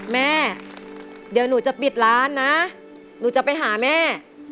แม่เดี๋ยวหนูจะปิดร้านนะหนูจะไปหาแม่